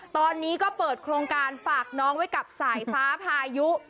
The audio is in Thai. ตอนนี้ก็เปิดโครงการฝากน้องไว้กับสายฟ้าพายุ